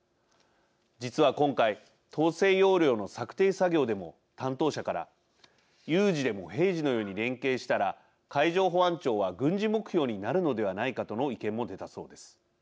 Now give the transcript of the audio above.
実は今回統制要領の策定作業でも担当者から有事でも平時のように連携したら海上保安庁は軍事目標になるのではないかとの意見も出たそうです。